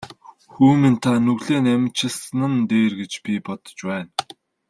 Хүү минь та нүглээ наманчилсан нь дээр гэж би бодож байна.